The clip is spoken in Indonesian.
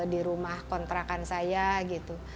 di rumah kontrakan saya gitu